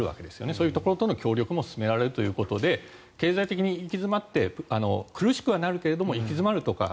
そういうところとの協力も進められるということで経済的に行き詰まって苦しくはなるけれど行き詰まるとか